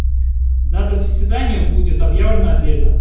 Дата заседания будет объявлена отдельно.